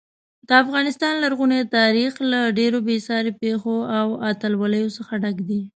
د افغانستان لرغونی تاریخ له ډېرو بې ساري پیښو او اتلولیو څخه ډک دی.